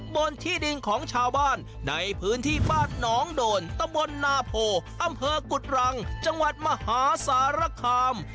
บนที่ดินของชาวบ้านในพื้นที่บ้านหนองโดนตำบลนาโพอำเภอกุฎรังจังหวัดมหาสารคาม